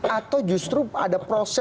atau justru ada proses